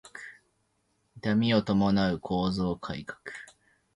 痛みを伴う構造改革